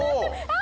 あ！